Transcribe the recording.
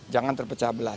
jangan terpecah belah